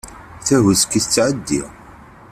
Tahuski tettɛeddi.